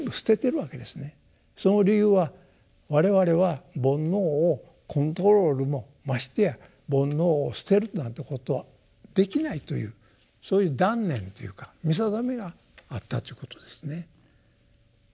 その理由は我々は煩悩をコントロールもましてや煩悩を捨てるなんてことはできないというそういう断念というか見定めがあったということですね。